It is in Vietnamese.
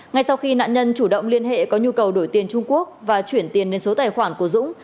ngay sau khi nạn nhân chủ động liên hệ có nhu cầu đổi tiền trung quốc và chuyển tiền đến số tài khoản của dũng